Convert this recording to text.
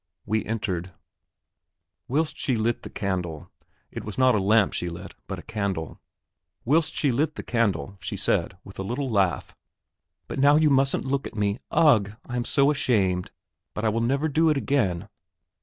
We entered. Whilst she lit the candle it was not a lamp she lit, but a candle whilst she lit the candle, she said, with a little laugh: "But now you mustn't look at me. Ugh! I am so ashamed, but I will never do it again."